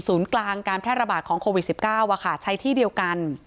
กลางการแพร่ระบาดของโควิด๑๙ใช้ที่เดียวกัน